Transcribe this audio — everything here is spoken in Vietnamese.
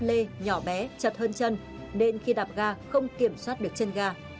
lê nhỏ bé chặt hơn chân nên khi đạp ga không kiểm soát được chân ga